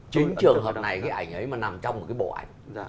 chính trường hợp này cái ảnh ấy mà nằm trong một cái bộ ảnh